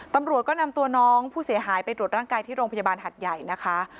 ตำรวจก็นำตัวน้องผู้เสียหายไปตรวจร่างกายที่โรงพยาบาลหัดใหญ่นะคะ